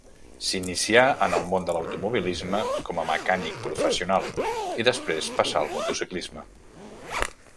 S'inicià en el món de l'automobilisme com a mecànic professional i després passà al motociclisme.